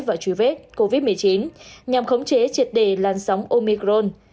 và truy vết covid một mươi chín nhằm khống chế triệt đề làn sóng omicron